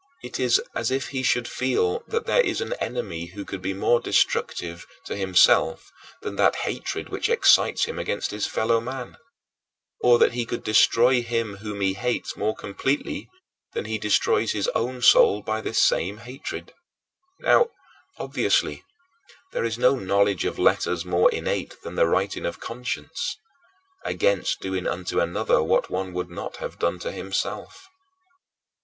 It is as if he should feel that there is an enemy who could be more destructive to himself than that hatred which excites him against his fellow man; or that he could destroy him whom he hates more completely than he destroys his own soul by this same hatred. Now, obviously, there is no knowledge of letters more innate than the writing of conscience against doing unto another what one would not have done to himself.